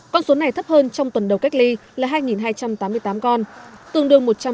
con số này thấp hơn trong tuần đầu cách ly là hai hai trăm tám mươi tám con tương đương một trăm bốn mươi chín tấn